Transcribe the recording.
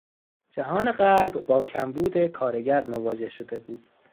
جهان غرب با کمبود کارگر مواجه شده بود.